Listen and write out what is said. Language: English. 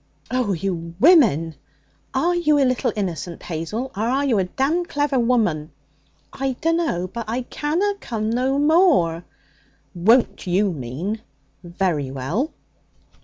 'Oh! you women! Are you a little innocent, Hazel? Or are you a d d clever woman?' 'I dunno. But I canna come no more.' 'Won't, you mean. Very well.'